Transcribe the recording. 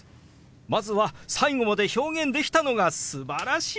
まずは最後まで表現できたのがすばらしいですよ！